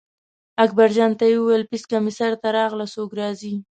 اکبرجان ته یې وویل پیڅکه مې سر ته راغله څوک راځي.